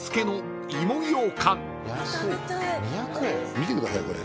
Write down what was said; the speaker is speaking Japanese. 見てくださいこれ。